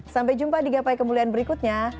sampai jumpa di gapai kemuliaan berikutnya